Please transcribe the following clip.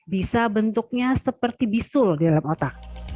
bisa bentuknya seperti bisul di dalam otak